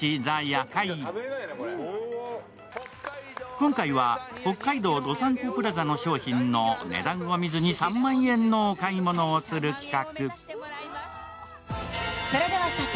今回は、北海道どさんこプラザの商品の値段を見ずに３万円のお買い物をする企画。